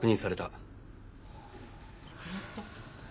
亡くなった！？